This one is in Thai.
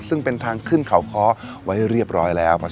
ซึ่งเป็นทางขึ้นเขาค้อไว้เรียบร้อยแล้ว